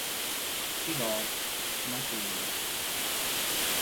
Kirov, Makeyev